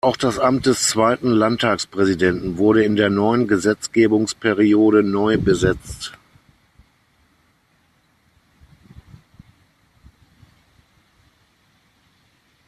Auch das Amt des Zweiten Landtagspräsidenten wurde in der neuen Gesetzgebungsperiode neu besetzt.